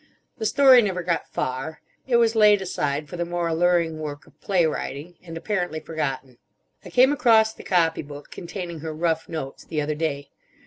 The story never got far. It was laid aside for the more alluring work of play writing, and apparently forgotten. I came across the copy book containing her "Rough Notes" the other day.